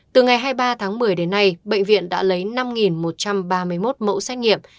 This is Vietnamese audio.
từ ngày hai mươi ba tháng một mươi đến nay bệnh viện đã lấy năm một trăm ba mươi một mẫu xét nghiệm